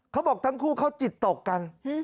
เขาบอกทั้งคู่เขาจิตตกกัน